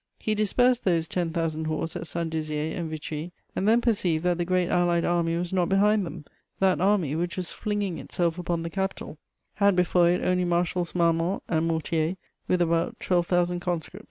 He dispersed those ten thousand horse at Saint Dizier and Vitry, and then perceived that the great allied army was not behind them: that army, which was flinging itself upon the capital, had before it only Marshals Marmont and Mortier, with about twelve thousand conscripts.